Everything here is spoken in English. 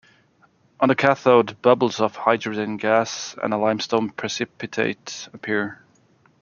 On the cathode, bubbles of hydrogen gas and a limestone precipitate appear.